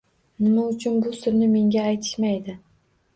Nima uchun bu sirni menga aytishmaydi